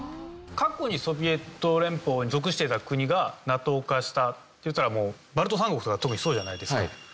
過去にソビエト連邦に属してた国がＮＡＴＯ化したっていったらもうバルト三国とか特にそうじゃないですか。